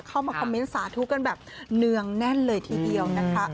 เข้ามาคอมเมนต์สาธุกันแบบเนืองแน่นเลยทีเดียวนะคะ